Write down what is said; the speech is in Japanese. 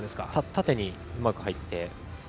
縦にうまく入って。